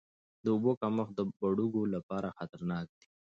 د اوبو کمښت د بډوګو لپاره خطرناک دی.